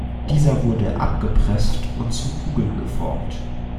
Dieser wurde abgepresst und zu Kugeln geformt.